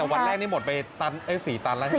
แต่วันแรกนี่หมดไป๔ตันแล้ว